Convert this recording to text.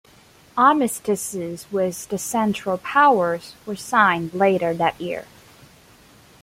Armistices with the Central Powers were signed later that year.